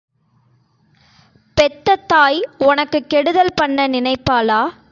பெத்த தாய் ஒனக்குக் கெடுதல் பண்ண நினைப்பாளா?